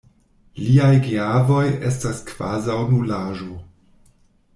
Liaj geavoj estas kvazaŭ nulaĵo.